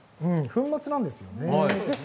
粉末なんですよね。